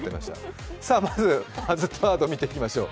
まず、バズったワード見ていきましょう。